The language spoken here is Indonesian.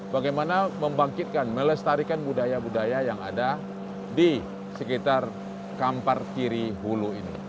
bagaimana membangkitkan melestarikan budaya budaya yang ada di sekitar kampar kiri hulu ini